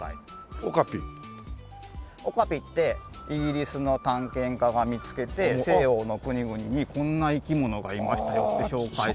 オカピってイギリスの探検家が見つけて西洋の国々にこんな生き物がいましたよって紹介した。